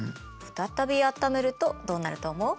再びあっためるとどうなると思う？